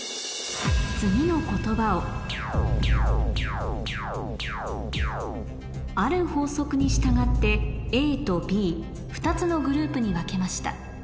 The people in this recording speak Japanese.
次の言葉をある法則に従ってＡとＢ２つのグループに分けました